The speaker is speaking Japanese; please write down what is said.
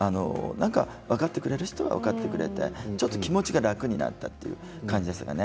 分かってくれる人は分かってくれてちょっと気持ちが楽になったという感じでしたかね。